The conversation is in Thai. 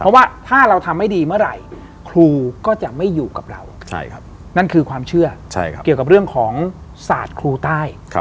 เพราะว่าถ้าเราทำไม่ดีเมื่อไหร่ครูก็จะไม่อยู่กับเรานั่นคือความเชื่อเกี่ยวกับเรื่องของศาสตร์ครูใต้